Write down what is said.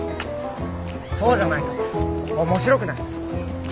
そうじゃないと面白くない。